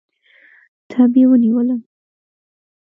تبې ونیولم.